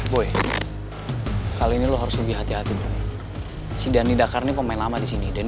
boy kali ini lo harus lebih hati hati dulu si dandi dakar ini pemain lama disini dan